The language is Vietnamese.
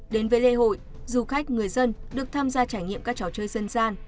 đến với lễ hội du khách người dân được tham gia trải nghiệm các trò chơi dân gian